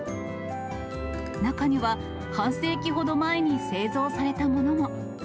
中には、半世紀ほど前に製造されたものも。